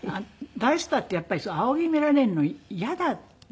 大スターってやっぱり仰ぎ見られるの嫌だ。